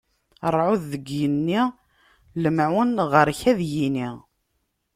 Ṛṛɛud deg yigenni, lemɛun ɣer-k ad yini!